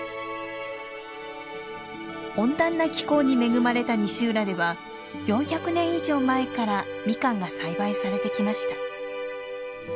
温暖な気候に恵まれた西浦では４００年以上前からミカンが栽培されてきました。